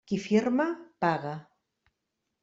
Qui firma, paga.